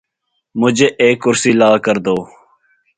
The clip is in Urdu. مجھے ایک کرسی لا کر دو